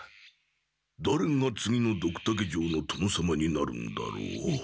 だれが次のドクタケ城の殿様になるんだろう。